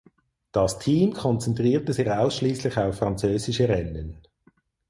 Das Team konzentrierte sich ausschließlich auf französische Rennen.